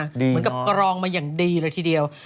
เหมือนกับกรองมาอย่างดีเลยทีเดียว